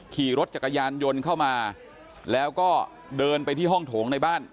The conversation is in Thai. ขี่รถจักรยานยนต์เข้ามาแล้วก็เดินไปที่ห้องโถงในบ้าน